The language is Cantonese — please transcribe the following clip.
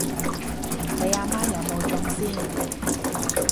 你阿媽有冇中先？